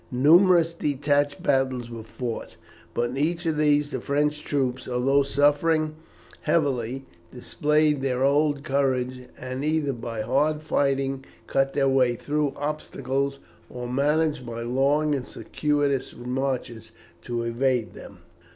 Numerous detached battles were fought; but in each of these the French troops, although suffering heavily, displayed their old courage, and either by hard fighting cut their way through obstacles, or managed by long and circuitous marches to evade them.